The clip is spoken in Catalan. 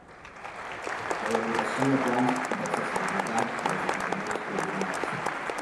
L'elaboració de plans d'accessibilitat dels equipaments culturals.